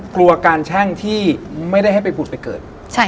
กลัวการแช่งที่ไม่ได้ให้ไปผุดไปเกิด